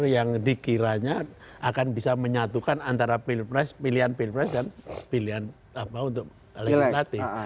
yang dikiranya akan bisa menyatukan antara pilihan pilpres dan pilihan pileg